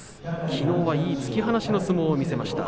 きのうはいい突き放しの相撲を見せました。